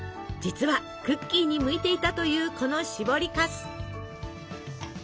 実はクッキーに向いていたというこのしぼりかす。